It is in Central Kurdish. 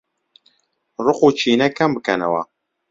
ڕقوکینە کەمبکەنەوە